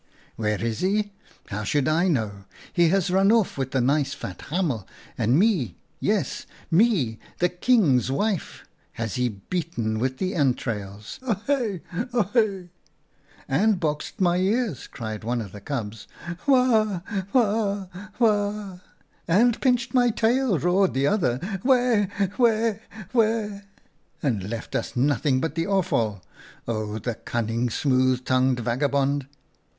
"* Where is he ? How should I know ? He has run off with the nice fat hamel, and me — yes, me, the King's wife — has he beaten with the entrails ! Ohe ! ohe !'"' And boxed my ears !' cried one of the cubs. * Wah ! wah ! wah !'" 'And pinched my tail,' roared the other. 'Weh! weh! wen!' "' And left us nothing but the offal. Oh, the cunning, smooth tongued vagabond